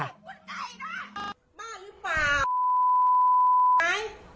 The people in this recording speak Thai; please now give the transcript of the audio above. บ้าหรือเปล่า